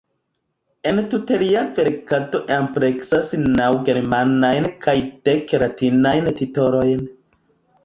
Entute lia verkado ampleksas naŭ germanajn kaj dek latinajn titolojn.